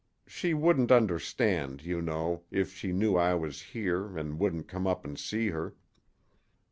She wouldn't understand, you know, if she knew I was here an' wouldn't come up an' see her."